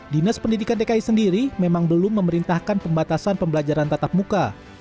dinas pendidikan dki sendiri memang belum memerintahkan pembatasan pembelajaran tatap muka